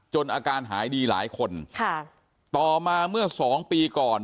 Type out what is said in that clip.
อาการหายดีหลายคนค่ะต่อมาเมื่อสองปีก่อน